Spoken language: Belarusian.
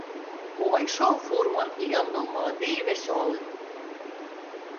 Увайшоў фурман, і ён быў малады і вясёлы.